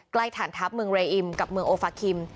ฐานทัพเมืองเรอิมกับเมืองโอฟาคิม